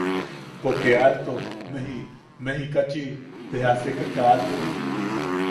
Poke alto meji mejicachi te jaseka kate.